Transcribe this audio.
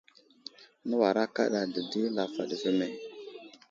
Nəwara kaɗa dədi lavaɗ ve me.